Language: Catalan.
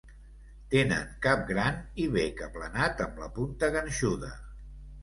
Tenen cap gran i bec aplanat amb la punta ganxuda.